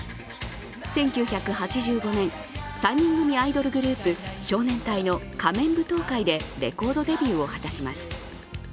１９８５年、３人組アイドルグループ、少年隊の「仮面舞踏会」でレコードデビューを果たします。